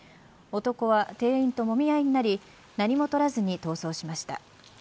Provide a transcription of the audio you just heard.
男は店員と、もみ合いになり何も取らずに逃走しました。